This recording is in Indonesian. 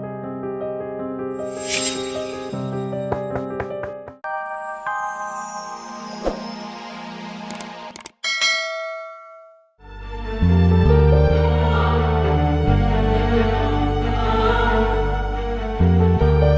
selamat pagi mami hari yang hebat